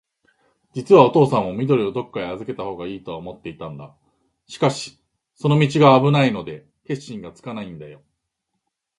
じつはおとうさんも、緑をどっかへあずけたほうがいいとは思っていたんだ。しかし、その道があぶないので、決心がつかないんだよ。